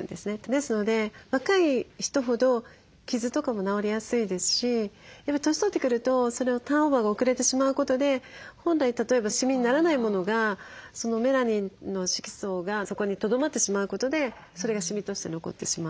ですので若い人ほど傷とかも治りやすいですしやっぱり年取ってくるとそれをターンオーバーが遅れてしまうことで本来例えばしみにならないものがメラニンの色素がそこにとどまってしまうことでそれがしみとして残ってしまう。